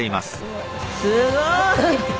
すごい！